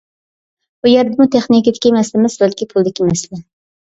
بۇ يەردىمۇ تېخنىكىدىكى مەسىلە ئەمەس، بەلكى پۇلدىكى مەسىلە.